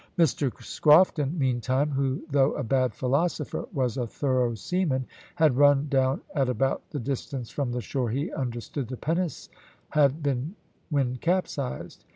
Mr Scrofton, meantime, who, though a bad philosopher, was a thorough seaman, had run down at about the distance from the shore he understood the pinnace had been when capsized.